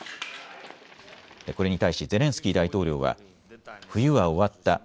これに対しゼレンスキー大統領は冬は終わった。